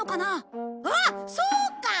あっそうか！